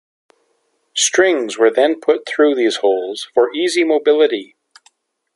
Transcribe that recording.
Strings were then put through these holes for easy mobility.